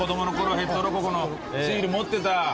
ヘッドロココのシール持ってた。